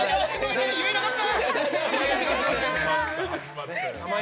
言えなかった！